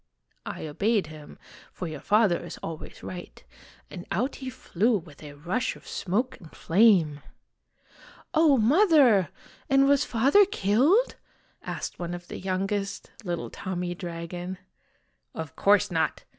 " I obeyed him, for your father is always right, and out he flew with a rush of smoke and flame." "Oh, Mother ! and was Father killed?" asked one of the youngest little Tommy Dragon. " Of course not